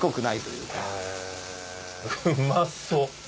うまそう！